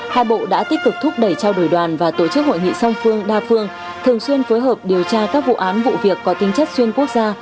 hai bộ đã tích cực thúc đẩy trao đổi đoàn và tổ chức hội nghị song phương đa phương thường xuyên phối hợp điều tra các vụ án vụ việc có tính chất xuyên quốc gia